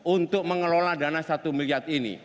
untuk mengelola dana satu miliar ini